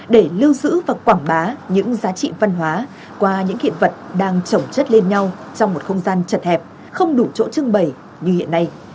để lưu giữ và quảng bá những giá trị văn hóa qua những hiện vật đang trồng chất lên nhau trong một không gian chật hẹp không đủ chỗ trưng bày như hiện nay